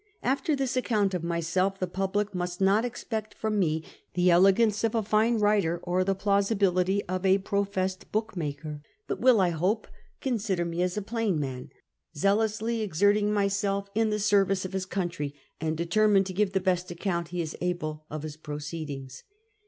After this account of myself the public must not exi)ect from me the elegance of a fine writer or tlie plausibility of a professed bookmaker, but Avill, I ho])e, con* sider me as a plain man, zealously exerting himself in the service of his country, and determined to give the best account he is able of his proceedings.